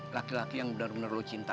laki laki yang bener bener lo cintain